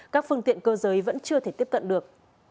các phương tiện cơ giới vẫn chưa thể tiếp cận được